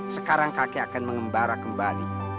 sekarang kakek akan mengembara kembali